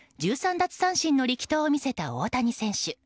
奪三振の力投を見せた大谷選手。